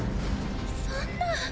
そんな。